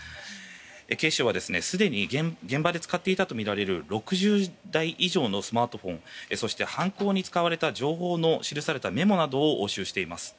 警視庁は、すでに現場で使っていたとみられる６０台以上のスマートフォンそして犯行に使われた情報が記されたメモなどを押収しています。